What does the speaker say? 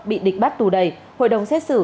bị địch bắt tù đầy hội đồng xét xử